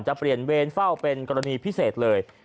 จะเปลี่ยนเวรเฝ้าเป็นกรณีพิเศษเลย